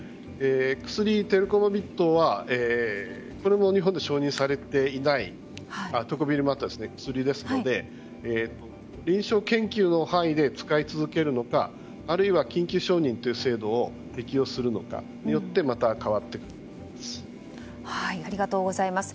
薬、テコビリマットはこれも日本で承認されていない薬ですので臨床研究の範囲で使い続けるのかあるいは緊急承認という制度を適用するのかによってまた変わってくると思います。